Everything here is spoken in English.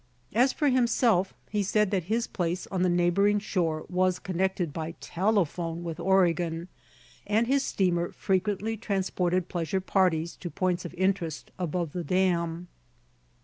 As for himself, he said that his place on the neighboring shore was connected by telephone with Oregon, and his steamer frequently transported pleasure parties to points of interest above the dam.